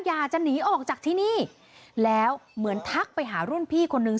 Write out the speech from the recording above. อยากจะหนีออกจากที่นี่แล้วเหมือนทักไปหารุ่นพี่คนนึง